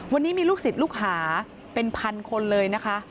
วันนี้มีลูกศิษย์ลูกหาเป็นพันคนเลยนะคะ